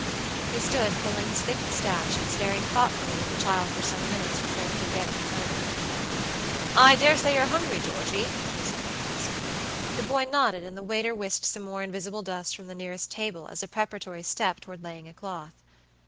He stood pulling his thick mustache and staring thoughtfully at the child for some minutes before he could get any further. "I dare say you're hungry, Georgey?" he said, at last. The boy nodded, and the waiter whisked some more invisible dust from the nearest table as a preparatory step toward laying a cloth.